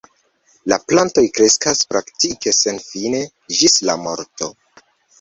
La plantoj kreskas praktike senfine, ĝis la morto.